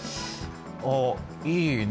あっいいね。